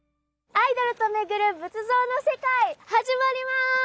「アイドルと巡る仏像の世界」始まります！